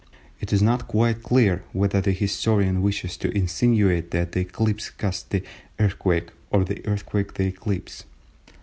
It is not quite clear whether the historian wishes to insinuate that the eclipse caused the earthquake or the earthquake the eclipse.